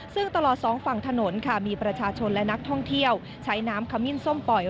ซึ่งตลอดสองฝั่งถนนค่ะมีประชาชนและนักท่องเที่ยวใช้น้ำขมิ้นส้มปล่อย